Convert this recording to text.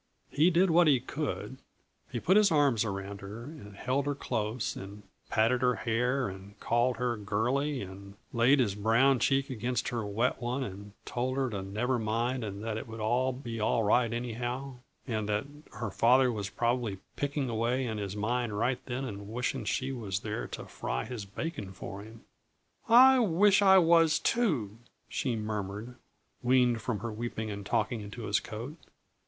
He did what he could. He put his arms around her and held her close, and patted her hair and called her girlie, and laid his brown cheek against her wet one and told her to never mind and that it would be all right anyway, and that her father was probably picking away in his mine right then and wishing she was there to fry his bacon for him. "I wish I was, too," she murmured, weaned from her weeping and talking into his coat.